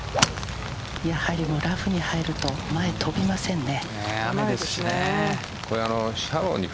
やはり、ラフに入ると前に飛びませんね。